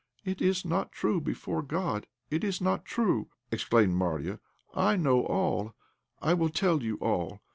"It is not true, before God it is not true," exclaimed Marya. "I know all; I will tell you all.